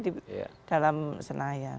di dalam senayan